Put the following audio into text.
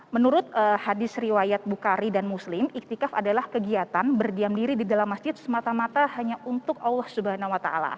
menurut hadis riwayat bukhari dan muslim iktikaf adalah kegiatan berdiam diri di dalam masjid semata mata hanya untuk allah swt